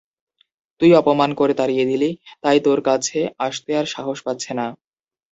তুই অপমান করে তাড়িয়ে দিলি, তাই তোর কাছে আসতে আর সাহস পাচ্ছে না।